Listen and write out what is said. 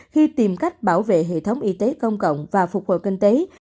khi tìm cách bảo vệ hệ thống y tế công cộng và phục hồi kinh tế